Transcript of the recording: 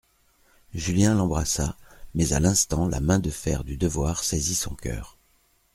Julien l'embrassa, mais à l'instant la main de fer du devoir saisit son coeur.